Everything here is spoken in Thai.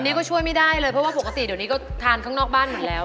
อันนี้ก็ช่วยไม่ได้เลยเพราะว่าปกติเดี๋ยวนี้ก็ทานข้างนอกบ้านหมดแล้ว